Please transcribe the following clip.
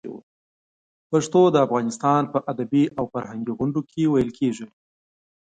پښتو د افغانستان په ادبي او فرهنګي غونډو کې ویلې کېږي.